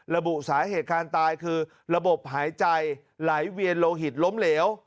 ระบุสาเหตุการตายคือระบบหายใจไหลเวียนโลหิตล้มเหลว